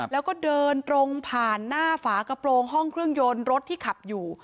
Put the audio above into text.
แล้วก็เดินตรงผ่านหน้าฝากระโปรงห้องเครื่องยนต์รถที่ขับอยู่